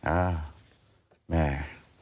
อ่าแม่